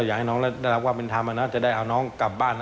มันรับไม่ได้มันไม่ใช่คนทำ